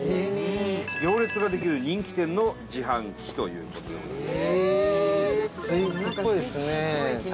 行列ができる人気店の自販機という事でございます。